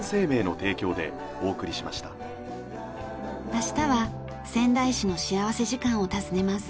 明日は仙台市の幸福時間を訪ねます。